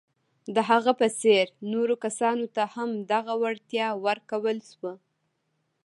د هغه په څېر نورو کسانو ته هم دغه وړتیا ورکول شوه.